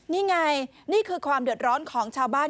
นี่ไงนี่คือความเดือดร้อนของชาวบ้าน